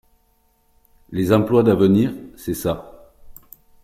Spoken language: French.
Les emplois d’avenir, c’est ça.